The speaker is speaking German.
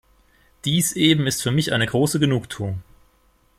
Dies eben ist für mich eine große Genugtuung.